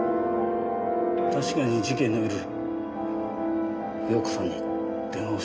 確かに事件の夜容子さんに電話をしました。